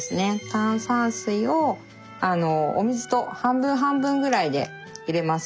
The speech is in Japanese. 炭酸水をお水と半分半分ぐらいで入れます。